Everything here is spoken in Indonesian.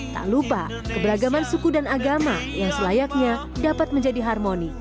tak lupa keberagaman suku dan agama yang selayaknya dapat menjadi harmoni